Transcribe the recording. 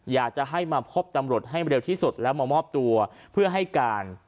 อยากจะให้มาพบตำรวจให้เร็วที่สุดแล้วมามอบตัวเพื่อให้การ